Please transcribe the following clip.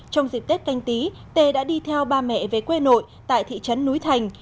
trong dịp tết canh tí tê đã đi theo ba mẹ về quê nội tại thị trấn núi thành